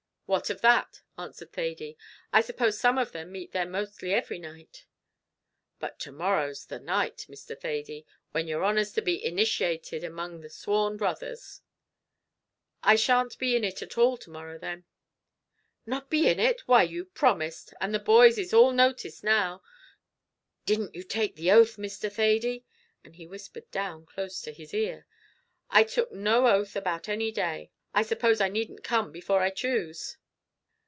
"What of that?" answered Thady; "I suppose some of them meet there mostly every night?" "But to morrow's the night, Mr. Thady, when yer honer's to be inisheated among us sworn brothers." "I shan't be in it at all to morrow, then." "Not be in it! why you promised; and the boys is all noticed now. Didn't you take the oath, Mr. Thady?" and he whispered down close to his ear. "I took no oath about any day. I suppose I needn't come before I choose?"